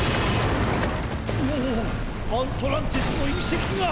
おおアントランティスのいせきが。